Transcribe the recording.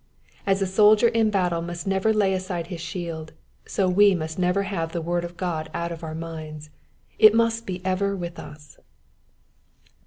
As a soldier in battle must never lay aside his shield, so must we never have the word of God out of our minds ; it must be ever with us.